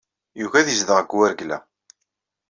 Yugi ad yezdeɣ deg Waregla.